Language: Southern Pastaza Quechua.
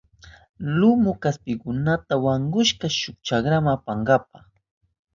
Lumu kaspikunata wankushka shuk chakrama apananpa.